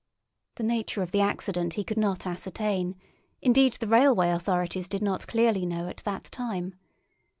The nature of the accident he could not ascertain; indeed, the railway authorities did not clearly know at that time.